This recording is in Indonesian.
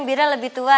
bira lebih tua